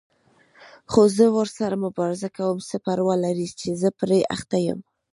خو زه ورسره مبارزه کوم، څه پروا لري چې زه پرې اخته یم.